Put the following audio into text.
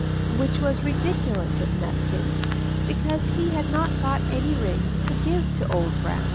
Which was ridiculous of Nutkin, because he had not got any ring to give to Old Brown.